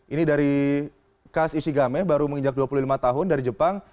ini dari kas ishigame baru menginjak dua puluh lima tahun dari jepang